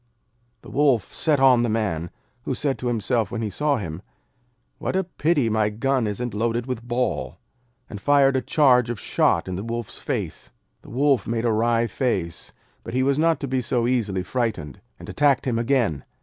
The Wolf set on the Man, who said to himself when he saw him, 'What a pity my gun isn't loaded with ball,' and fired a charge of shot in the Wolf's face. The Wolf made a wry face, but he was not to be so easily frightened, and attacked him again.